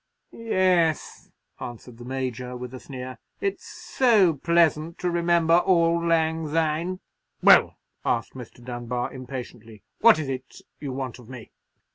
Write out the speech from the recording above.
'" "Yes," answered the Major, with a sneer; "it's so pleasant to remember 'auld lang syne!'" "Well," asked Mr. Dunbar, impatiently, "what is it you want of me?"